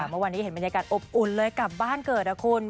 เมื่อวานนี้เห็นบรรยากาศอบอุ่นเลยกลับบ้านเกิดนะคุณ